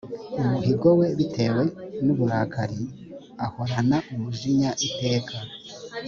umuhigo we bitewe n uburakari ahorana umujinya iteka